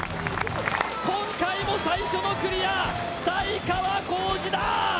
今回も最初のクリア才川コージだ！